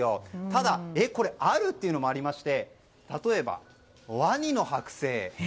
ただ、これある？っていうのもありまして例えばワニの剥製。